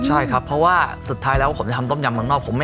ใช่ครับเพราะว่าสุดท้ายแล้วผมจะทำต้มยำเมืองนอก